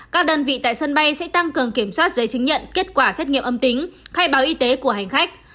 các đơn vị tại sân bay sẽ tăng cường kiểm soát giấy chứng nhận kết quả xét nghiệm âm tính khai báo y tế của hành khách